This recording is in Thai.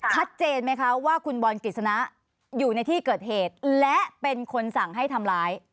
ชัดเจนไหมคะว่าคุณบอลกฤษณะอยู่ในที่เกิดเหตุและเป็นคนสั่งให้ทำร้าย